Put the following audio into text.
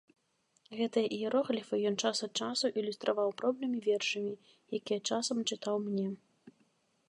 Гэтыя іерогліфы ён час ад часу ілюстраваў пробнымі вершамі, якія часам чытаў мне.